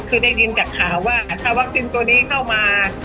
คือได้ยินจากข่าวว่าถ้าวัคซีนตัวนี้เข้ามา